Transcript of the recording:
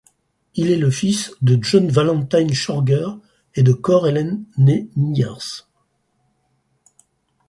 Il est le fils de John Valentine Schorger et de Core Ellen née Myers.